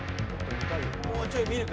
もうちょい見るか？